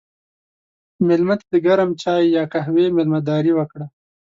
مېلمه ته د ګرم چای یا قهوې میلمهداري وکړه.